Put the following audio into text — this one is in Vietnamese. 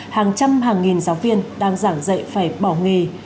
hàng trăm hàng nghìn giáo viên đang giảng dạy phải bỏ nghề